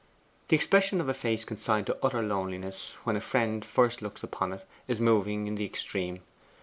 The expression of a face consigned to utter loneliness, when a friend first looks in upon it, is moving in the extreme.